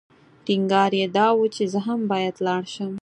ټینګار یې دا و چې زه هم باید لاړ شم.